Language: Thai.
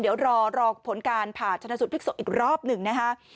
เดี๋ยวรอรอผลการผ่าชนสุดภิกษุอีกรอบหนึ่งนะคะ